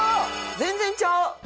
全然ちゃう！